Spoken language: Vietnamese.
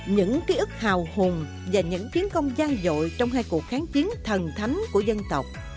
những ký ức hào hùng và những chiến công vang dội trong hai cuộc kháng chiến thần thánh của dân tộc